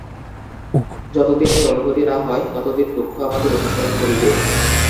যতদিন এই অনুভূতি না হয়, ততদিন দুঃখ আমাদের অনুসরণ করিবে।